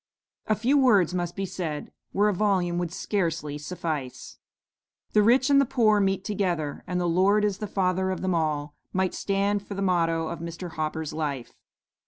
A few words must be said where a volume would scarcely suffice. "'The rich and the poor meet together, and the Lord is the Father of them all,' might stand for the motto of Mr. Hopper's life.